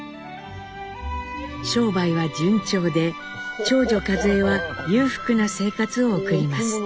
商売は順調で長女和江は裕福な生活を送ります。